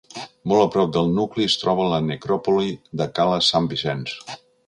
Molt a prop del nucli es troba la necròpoli de Cala Sant Vicenç.